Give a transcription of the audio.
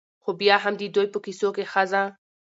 ؛ خو بيا هم د دوى په کيسو کې ښځه